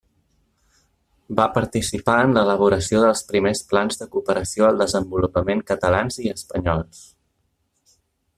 Va participar en l'elaboració dels primers plans de cooperació al desenvolupament catalans i espanyols.